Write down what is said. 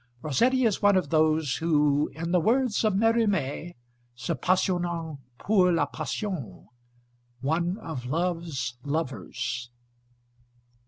Rossetti is one of those who, in the words of Mérimée, se passionnent pour la passion, one of Love's lovers.